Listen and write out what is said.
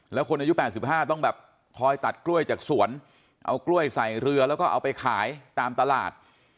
แล้วคนอายุ๘๕ต้องแบบคอยตัดกล้วยจากสวนเอากล้วยใส่เรือแล้วก็เอาไปขายตามตลาด